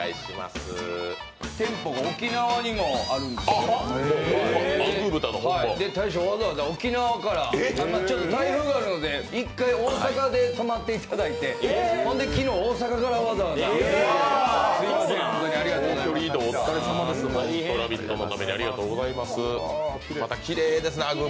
店舗が沖縄にもあるんですけど、大将、わざわざ沖縄から、台風があるので一回大阪で泊まっていただいてほんで昨日、大阪からわざわざありがとうございました。